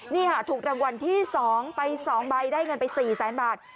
นี่ค่ะถูกรางวัลที่๒ไป๒ใบได้เงินไป๔แสนบาท